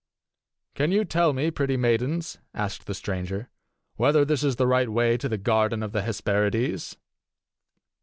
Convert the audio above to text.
"Can you tell me, pretty maidens," asked the stranger, "whether this is the right way to the garden of the Hesperides?"